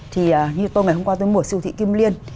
thì như tôi ngày hôm qua tôi mua ở siêu thị kim liên